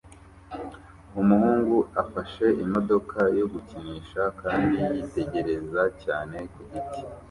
Umuhungu afashe imodoka yo gukinisha kandi yitegereza cyane ku giti